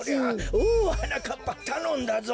おおはなかっぱたのんだぞ！